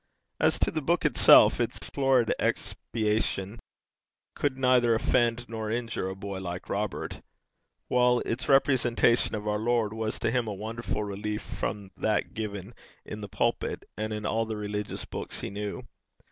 As to the book itself, its florid expatiation could neither offend nor injure a boy like Robert, while its representation of our Lord was to him a wonderful relief from that given in the pulpit, and in all the religious books he knew.